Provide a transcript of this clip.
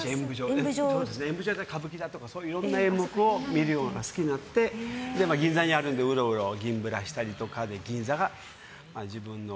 演舞場だと歌舞伎だとかいろんな演目を見るのが好きになって銀座にあるのでうろうろ銀ブラしたりとかで銀座が自分の。